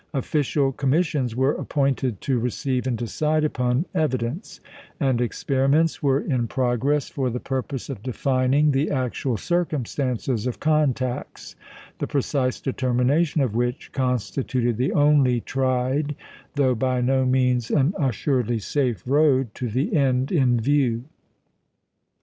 Official commissions were appointed to receive and decide upon evidence; and experiments were in progress for the purpose of defining the actual circumstances of contacts, the precise determination of which constituted the only tried, though by no means an assuredly safe road to the end in view.